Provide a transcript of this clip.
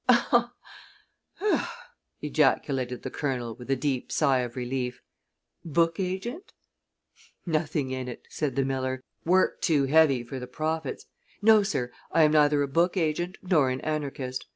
"Ha!" ejaculated the Colonel, with a deep sigh of relief. "Book agent?" "Nothing in it," said the miller. "Work too heavy for the profits. No, sir, I am neither a book agent nor an anarchist.